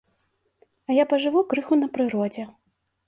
А я пажыву крыху на прыродзе.